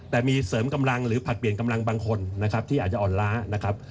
แต่มีเสริมกำลังหรือผลัดเปลี่ยนกำลังบางคนนะครับที่อาจจะอ่อนล้านะครับ